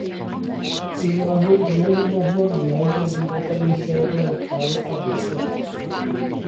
Un o arweinwyr y Mormoniaid yn Unol Daleithiau America oedd Daniel Jones.